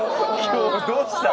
今日どうした？